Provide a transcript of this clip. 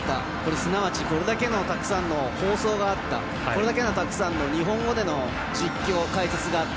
すなわち、それだけたくさんの放送があった、これだけたくさんの日本語での実況、解説があった。